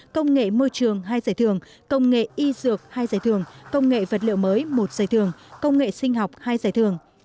công nghệ môi trường hai giải thưởng công nghệ y dược hai giải thưởng công nghệ vật liệu mới một giải thưởng công nghệ sinh học hai giải thưởng